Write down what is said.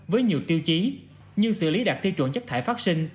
với nhiều tiêu chí như xử lý đạt tiêu chuẩn chất thải phát sinh